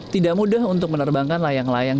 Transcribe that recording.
tidak mudah untuk menerbangkan layang layang